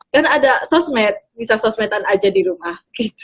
kan ada sosmed bisa sosmed an aja di rumah